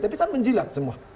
tapi kan menjilat semua